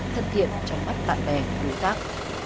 thân thiện trong mắt bạn bè người khác